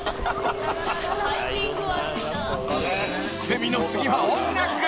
［セミの次は音楽］